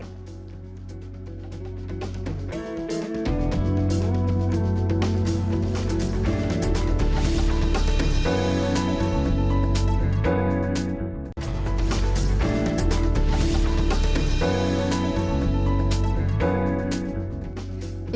insight kekuatan tenaga dan pemulihan diri